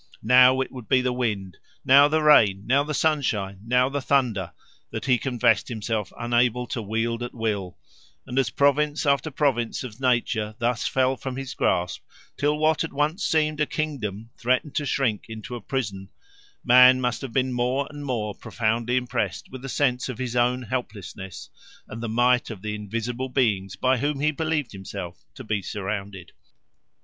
Now it would be the wind, now the rain, now the sunshine, now the thunder, that he confessed himself unable to wield at will; and as province after province of nature thus fell from his grasp, till what had once seemed a kingdom threatened to shrink into a prison, man must have been more and more profoundly impressed with a sense of his own helplessness and the might of the invisible beings by whom he believed himself to be surrounded.